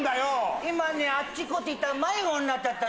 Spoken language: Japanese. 今ねあっちこっち行ったら迷子になっちゃったの。